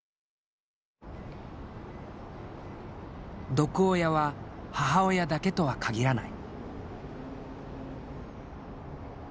毒親は母親だけとは限らない。